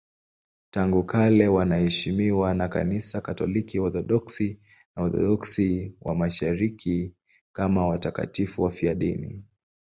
Tangu kale wanaheshimiwa na Kanisa Katoliki, Waorthodoksi na Waorthodoksi wa Mashariki kama watakatifu wafiadini.